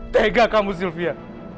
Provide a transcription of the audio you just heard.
tega kamu sylvia